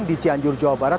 di cianjur jawa barat